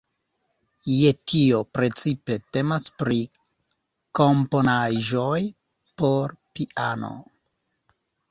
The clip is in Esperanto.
Je tio precipe temas pri komponaĵoj por piano.